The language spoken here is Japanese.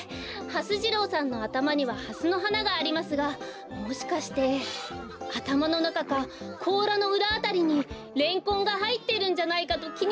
はす次郎さんのあたまにはハスのはながありますがもしかしてあたまのなかかこうらのうらあたりにレンコンがはいってるんじゃないかときになりまして。